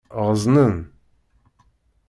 Ɣeẓnen.